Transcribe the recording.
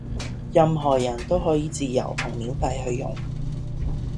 任何人都可以自由同免費去用